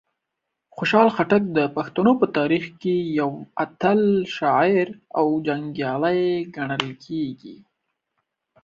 خوشحال خټک د پښتنو په تاریخ کې یو اتل شاعر او جنګیالی ګڼل کیږي.